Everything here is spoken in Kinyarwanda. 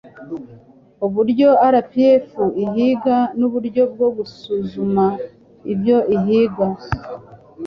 Uburyo RPF ihiga n uburyo bwo gusuzuma ibyo ihiga